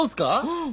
うん。